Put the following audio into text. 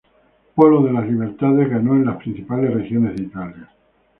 Polo de las Libertades ganó en las principales regiones de Italia.